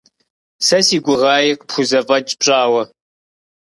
Сэ си гугъаи пхузэфӀэкӀ пщӀауэ.